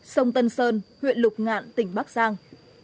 sông tân sơn huyện lục ngạn tỉnh bắc giang